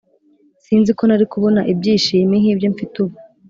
sinziko nari kubona ibyishimi nkibyo mfite ubu